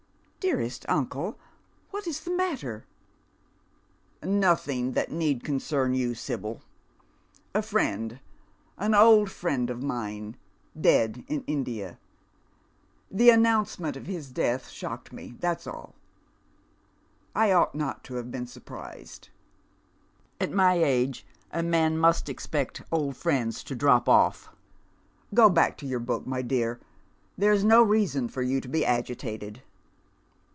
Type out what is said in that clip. " Dearest uncle, what is the matter ?"" Nothing that need concern you, Sibyl. A friend, an old friend of mine, dead in India. The announcement of his death Kuof.i'.cJ mc, that's alL I ouiiht not to have been surprised. At Town and Covnty. 9% my age & man must expect old friends to drop off. Go back to your book, my dear. There is no reason for you to be agitated."